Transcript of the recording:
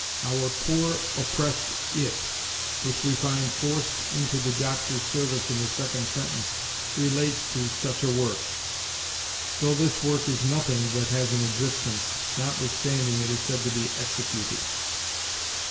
Our poor oppressed it, which we find forced into the Doctor's service in the second sentence, relates to 'such a work,' though this work is nothing that has an existence, notwithstanding it is said to be 'executed.'